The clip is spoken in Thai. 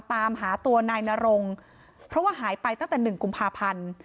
ตามหาตัวนายนรงเพราะว่าหายไปตั้งแต่๑กุมภาพันธ์